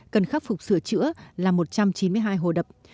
cần khắc phục sửa chữa là một trăm chín mươi hai hồ đập